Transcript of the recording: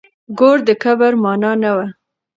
ګور د کبر مانا نه وه.